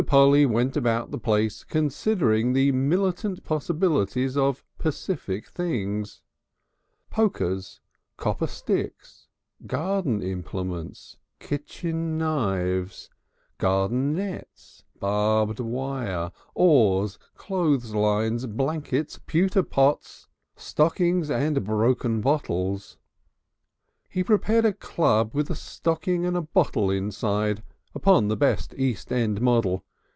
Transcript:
Polly went about the place considering the militant possibilities of pacific things, pokers, copper sticks, garden implements, kitchen knives, garden nets, barbed wire, oars, clothes lines, blankets, pewter pots, stockings and broken bottles. He prepared a club with a stocking and a bottle inside upon the best East End model.